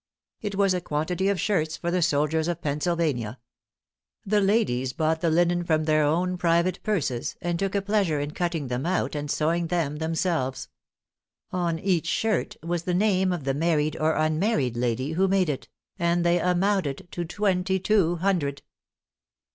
It was a quantity of shirts for the soldiers of Pennsylvania. The ladies bought the linen from their own private purses, and took a pleasure in cutting them out and sewing them themselves. On each shirt was the name of the married or unmarried lady who made it; and they amounted to twenty two hundred.